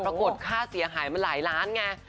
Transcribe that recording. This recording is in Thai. ปรากฏค่าเสียหายมันหลายล้านไง